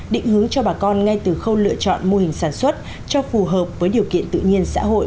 định hướng cho bà con ngay từ khâu lựa chọn mô hình sản xuất cho phù hợp với điều kiện tự nhiên xã hội